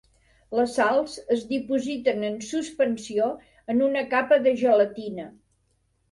Les sals es dipositen en suspensió en una capa de gelatina.